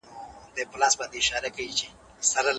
ځای بدلول فشار کموي.